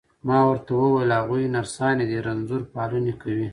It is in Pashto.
ما ورته وویل: هغوی نرسانې دي، رنځور پالني کوي.